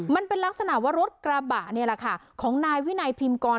มันเป็นลักษณะว่ารถกระบะเนี่ยฮาของวินัยพิมพ์กร